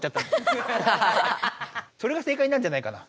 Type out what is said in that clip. それが正解なんじゃないかな。